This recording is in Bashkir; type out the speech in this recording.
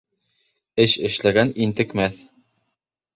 Эш эшләгән интекмәҫ